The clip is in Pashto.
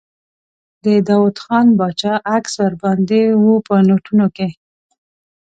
د داووخان باچا عکس ور باندې و په نوټونو کې.